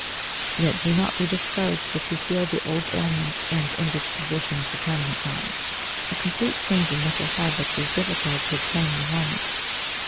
Yet do not be discouraged if you feel the old ailments and indispositions returning at times. A complete change in mental habits, is difficult to obtain in a moment.